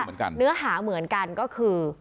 แต่ว่าเนื้อหาเหมือนกันก็คือ